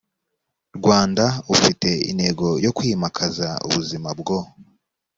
rwanda ufite intego yo kwimakaza ubuzima bwo